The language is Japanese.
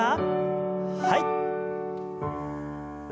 はい。